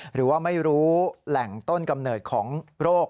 หรือว่าไม่รู้แหล่งต้นกำเนิดของโรค